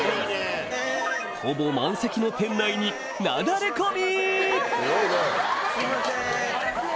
ほぼ満席の店内になだれ込み！